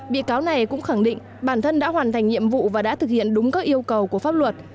bị cáo này cũng khẳng định bản thân đã hoàn thành nhiệm vụ và đã thực hiện đúng các yêu cầu của pháp luật